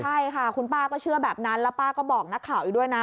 ใช่ค่ะคุณป้าก็เชื่อแบบนั้นแล้วป้าก็บอกนักข่าวอีกด้วยนะ